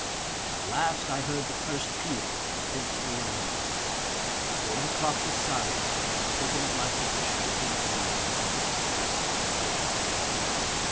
At last, I heard the first peal of the eventful eleven. Before the clock was silent, I had taken up my position within view of the gate of North Villa.